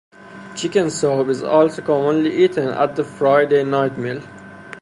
Chicken soup is also commonly eaten at the Friday night meal.